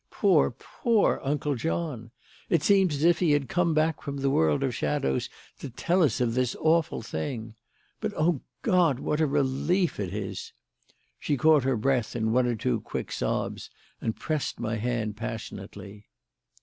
Poor, poor Uncle John! It seems as if he had come back from the world of shadows to tell us of this awful thing. But, O God! what a relief it is!" She caught her breath in one or two quick sobs and pressed my hand passionately.